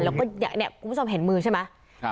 แล้วก็เนี่ยคุณผู้ชมเห็นมือใช่ไหม